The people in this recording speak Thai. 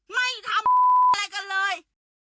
ไม่ทำอะไรกันเลย